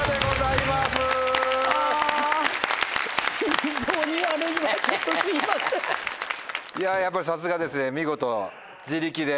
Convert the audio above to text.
いややっぱりさすがですね見事自力で。